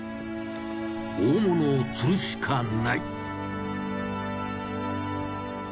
大物を釣るしかない。